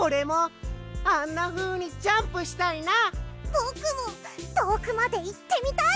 ぼくもとおくまでいってみたい！